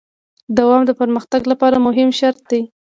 دوام د پرمختګ لپاره مهم شرط دی.